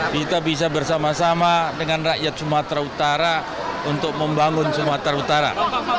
kita bisa bersama sama dengan rakyat sumatera utara untuk membangun sumatera utara